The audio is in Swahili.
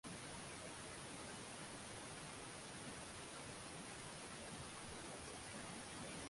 Kushi tunakuta eneo kubwa lenye milima mirefu inayosimama kama